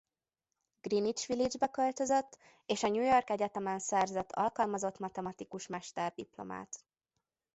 Greenwich Village-be költözött és a New York Egyetemen szerzett alkalmazott matematikus mesterdiplomát.